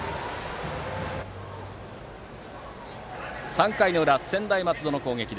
３回の裏、専大松戸の攻撃。